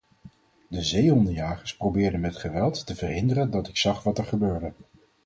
De zeehondenjagers probeerden met geweld te verhinderen dat ik zag wat er gebeurde.